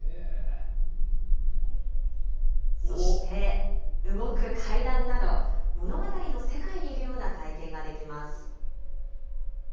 そして、動く階段など、物語の世界にいるような体験ができます。